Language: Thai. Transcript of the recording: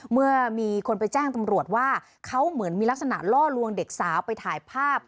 เมื่อมีคนไปแจ้งตำรวจว่าเขาเหมือนมีลักษณะล่อลวงเด็กสาวไปถ่ายภาพ